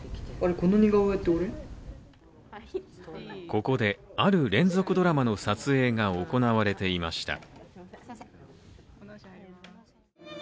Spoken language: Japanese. ここで、ある連続ドラマの撮影が行われていました。